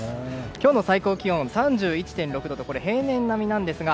今日の最高気温、３１．６度と平年並みなんですが